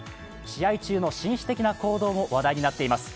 試合中の紳士的な行動も話題になっています。